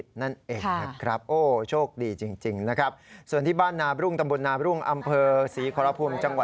หนูก็ดีใจว่าใช่หรือเปล่าหนูว่าแต่เขาพูดเล่นนะคะ